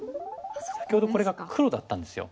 先ほどこれが黒だったんですよ。